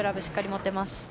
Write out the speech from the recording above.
しっかり持っています。